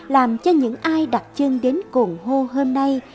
làm cho những ai đặt chân đến cồn hô hôm nay